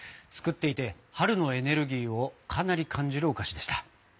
作っていて春のエネルギーをかなり感じるお菓子でした。